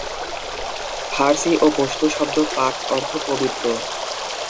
ফার্সি ও পশতু শব্দ 'পাক' অর্থ পবিত্র।